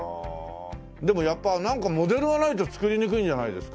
でもやっぱモデルがないと作りにくいんじゃないですか？